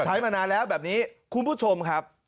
มานานแล้วแบบนี้คุณผู้ชมครับ